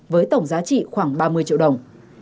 với tổng giá trị khoảng ba mươi triệu đồng